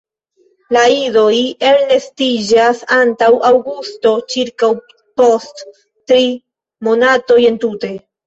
La idoj elnestiĝas antaŭ aŭgusto ĉirkaŭ post tri monatoj entute.